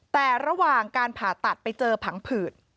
แต่ระหว่างการผ่าตัดไปเจอผังผืด